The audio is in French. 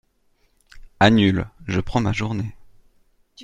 Annule. Je prends ma journée.